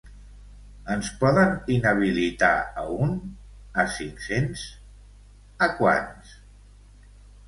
Ens poden inhabilitar a un, a cinc-cents, a quants?